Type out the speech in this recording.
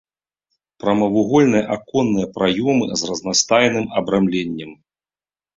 Прамавугольныя аконныя праёмы з разнастайным абрамленнем.